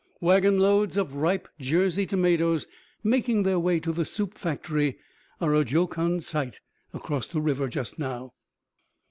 Wagonloads of ripe Jersey tomatoes making their way to the soup factory are a jocund sight across the river just now.